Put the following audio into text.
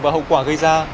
và hậu quả gây ra